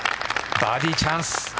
バーディーチャンス。